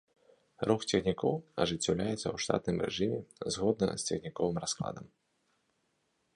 Рух цягнікоў ажыццяўляецца ў штатным рэжыме згодна з цягніковым раскладам.